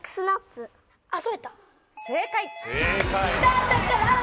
正解！